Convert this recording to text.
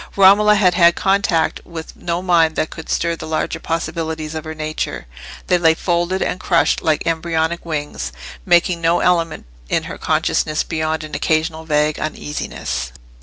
Romola had had contact with no mind that could stir the larger possibilities of her nature; they lay folded and crushed like embryonic wings, making no element in her consciousness beyond an occasional vague uneasiness.